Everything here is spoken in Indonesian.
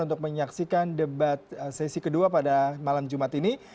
untuk menyaksikan debat sesi kedua pada malam jumat ini